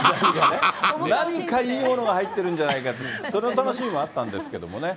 何かいいものが入ってるんじゃないか、その楽しみもあったんですけどね。